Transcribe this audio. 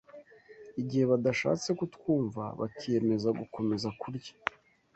Igihe badashatse kutwumva, bakiyemeza gukomeza kurya